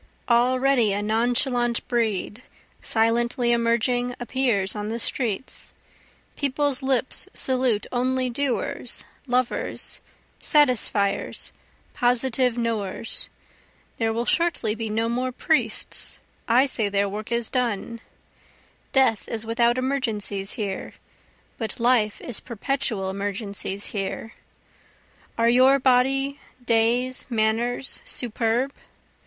Already a nonchalant breed, silently emerging, appears on the streets, People's lips salute only doers, lovers, satisfiers, positive knowers, There will shortly be no more priests, I say their work is done, Death is without emergencies here, but life is perpetual emergencies here, Are your body, days, manners, superb?